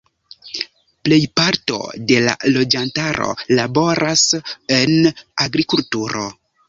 Plejparto de la loĝantaro laboras en agrikulturo.